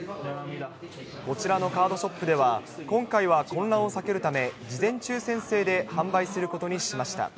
こちらのカードショップでは、今回は混乱を避けるため、事前抽せん制で販売することにしました。